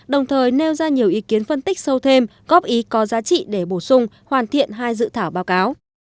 đồng thời nêu ra nhiều ý kiến phân tích sâu thêm góp ý có giá trị để bổ sung hoàn thiện hai dự thảo báo cáo